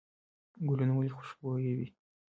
ګلونه ولې خوشبویه وي؟